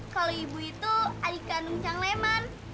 kalau ibu itu adik kandung cang leman